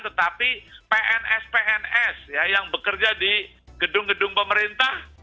tetapi pns pns yang bekerja di gedung gedung pemerintah